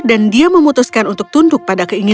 dan dia memutuskan untuk tunduk pada keadaan